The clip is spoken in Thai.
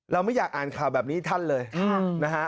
ไม่อยากอ่านข่าวแบบนี้ท่านเลยนะฮะ